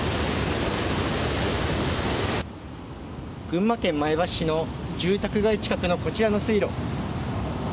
群馬県前橋市の住宅街近くのこちらの水路。